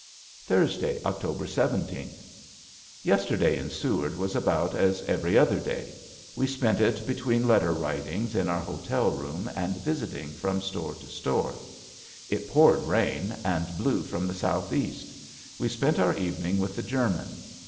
Thursday, October seventeenth. Yesterday in Seward was about as every other day. We spent it between letter writing in our hotel room and visiting from store to store. It poured rain and blew from the southeast. We spent our evening with the German.